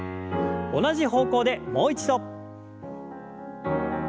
同じ方向でもう一度。